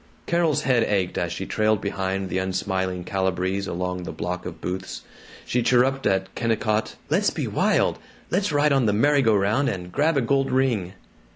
Carol's head ached as she trailed behind the unsmiling Calibrees along the block of booths. She chirruped at Kennicott, "Let's be wild! Let's ride on the merry go round and grab a gold ring!"